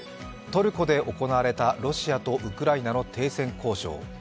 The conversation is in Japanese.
トルコで行われたロシアとウクライナの停戦交渉。